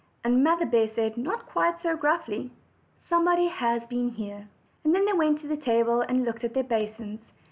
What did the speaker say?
And Mother bear said, not quite so gruffly: "Somebody has been here." Then they went to the table and looked at their basins.